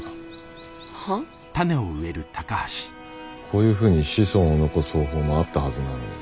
こういうふうに子孫を残す方法もあったはずなのに。